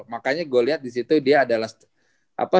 makanya gue liat disitu dia adalah apa